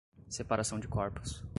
separação de corpos